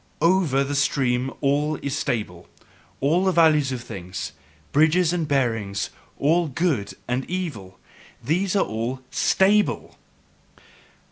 "OVER the stream all is stable, all the values of things, the bridges and bearings, all 'good' and 'evil': these are all STABLE!"